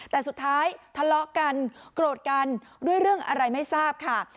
แต่สุดท้ายทะเลาะกันโกรธกันด้วยเรื่องอะไรไม่ทราบค่ะ